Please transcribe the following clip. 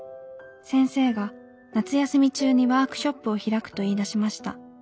先生が夏休み中にワークショップを開くと言い出しました。